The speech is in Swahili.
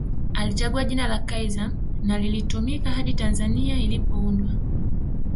Alichagua jina la Kaiser na lilitumika hadi Tanzania ilipoundwa